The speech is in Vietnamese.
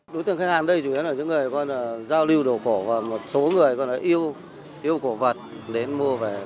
đối tượng khách hàng ở đây chủ yếu là những người giao lưu đồ cổ và một số người yêu cổ vật đến mua về